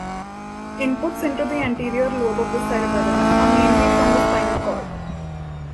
Inputs into the anterior lobe of the cerebellum are mainly from the spinal cord.